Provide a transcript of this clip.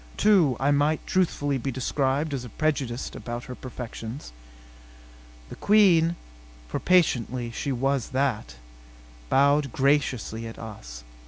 Too, I might truthfully be described as prejudiced about her perfections. The Queen, for patently she was that, bowed graciously at us.